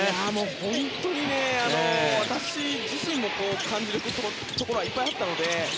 本当に私自身も感じるところがいっぱいあったので。